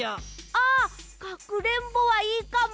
あかくれんぼはいいかも！